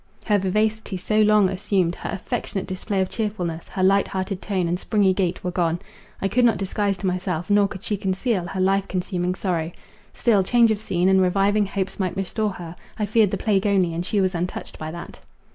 Her vivacity, so long assumed, her affectionate display of cheerfulness, her light hearted tone and springy gait were gone. I could not disguise to myself, nor could she conceal, her life consuming sorrow. Still change of scene, and reviving hopes might restore her; I feared the plague only, and she was untouched by that.